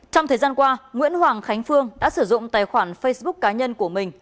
trong thời gian qua nguyễn hoàng khánh phương đã sử dụng tài khoản facebook cá nhân của mình